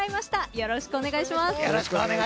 よろしくお願いします。